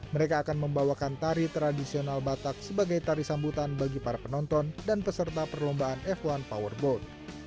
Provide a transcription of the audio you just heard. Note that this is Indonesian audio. mereka akan membawakan tari tradisional batak sebagai tari sambutan bagi para penonton dan peserta perlombaan f satu powerboat